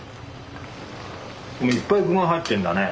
これいっぱい具が入ってんだね。